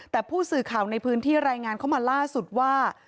แต่ผู้สื่อข่าวในพื้นที่รายงานเข้ามาล่าสุดว่า